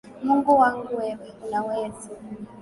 Mungu wangu wewe, Unaweza